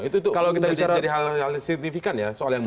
itu jadi hal signifikan ya soal yang baru dan yang sebelumnya ya